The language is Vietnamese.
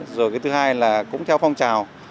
rồi cái thứ hai là cũng theo phong trào